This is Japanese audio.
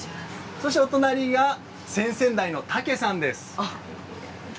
そしてお隣が先々代のタケさんです。